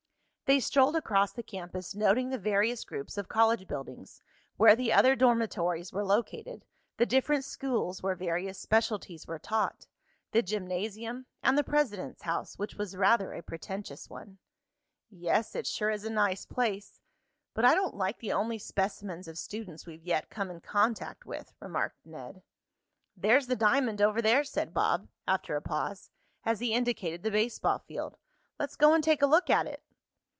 They strolled across the campus, noting the various groups of college buildings, where the other dormitories were located, the different "schools" where various specialties were taught, the gymnasium, and the president's house, which was rather a pretentious one. "Yes, it sure is a nice place but I don't like the only specimens of students we've yet come in contact with," remarked Ned. "There's the diamond over there," said Bob, after a pause, as he indicated the baseball field. "Let's go and take a look at it."